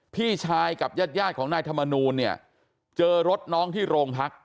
พี่ชายกับญาติยาดของนายธรรมนูลเนี่ยเจอรถน้องที่โรงพัก